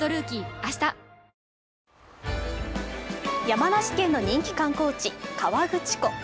山梨県の人気観光地、河口湖。